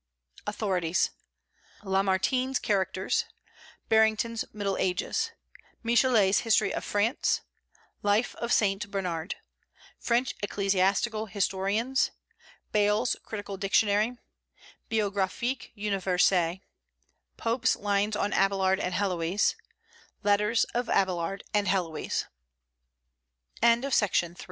AUTHORITIES. Lamartine's Characters; Berington's Middle Ages; Michelet's History of France; Life of St. Bernard; French Ecclesiastical Historians; Bayle's Critical Dictionary; Biographic Universelle; Pope's Lines on Abélard and Héloïse; Letters of Abélard and Héloïse. JOAN OF ARC. A.D. 1412 1